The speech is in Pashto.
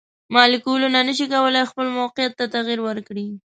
مالیکولونه نشي کولی خپل موقیعت ته تغیر ورکړي.